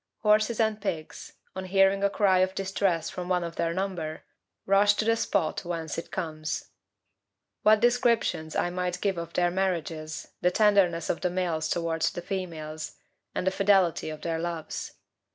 Horses and pigs, on hearing a cry of distress from one of their number, rush to the spot whence it comes. What descriptions I might give of their marriages, the tenderness of the males towards the females, and the fidelity of their loves!